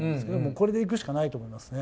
これでいくしかないと思いますね。